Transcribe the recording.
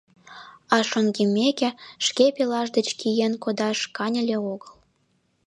А шоҥгеммеке, шке пелаш деч киен кодаш каньыле огыл.